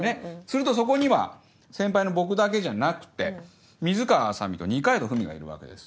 するとそこには先輩の僕だけじゃなくて水川あさみと二階堂ふみがいるわけです。